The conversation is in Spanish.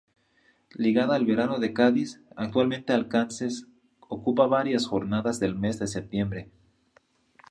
Ligada al verano de Cádiz, actualmente Alcances ocupa varias jornadas del mes de septiembre.